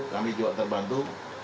kami juga terbantu